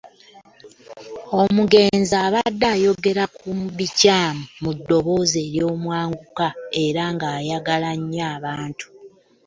Omugenzi abadde ayogera ku bikyamu mu ddoboozi ery'omwanguka era ng'ayagala nnyo abantu.